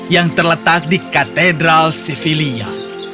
yang terletak di katedral civilia